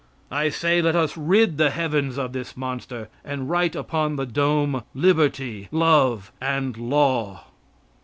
I say let us rid the heavens of this monster, and write upon the dome "Liberty, love and law."